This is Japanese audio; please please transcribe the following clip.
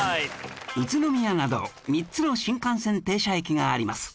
宇都宮など３つの新幹線停車駅があります